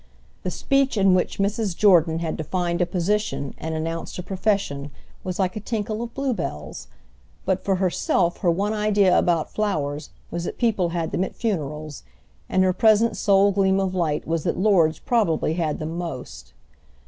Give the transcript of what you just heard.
The speech in which Mrs. Jordan had defined a position and announced a profession was like a tinkle of bluebells; but for herself her one idea about flowers was that people had them at funerals, and her present sole gleam of light was that lords probably had them most.